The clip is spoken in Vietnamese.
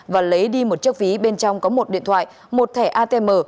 và lấy đi một chiếc ví bên trong có một điện thoại một thẻ atm